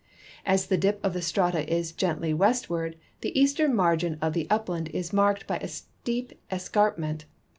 As the dip of the strata is gentl}' westward, the eastern margin of the upland is marked by a steep escarpment.